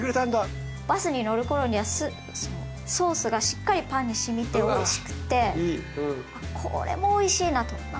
バスに乗る頃にはソースがしっかりパンに染みておいしくてこれもおいしいなと。